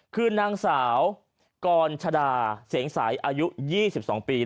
คือนางสาวกรชดาเสียงสายอายุ๒๒ปี